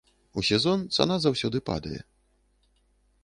У сезон цана заўсёды падае.